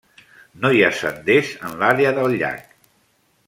No hi ha senders en l'àrea del llac.